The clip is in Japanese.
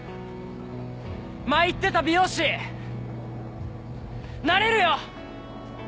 前言ってた美容師なれるよ！